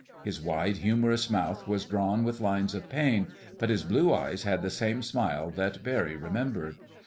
His wide, humorous mouth was drawn with lines of pain, but his blue eyes had the same smile that Barry remembered.